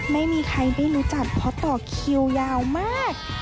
ไม่มีใครได้รู้จักเพราะต่อคิวยาวมาก